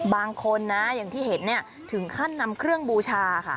บางคนนะแบบที่เห็นถึงขั้นนำเครื่องบูชาโฟล์ค่ะ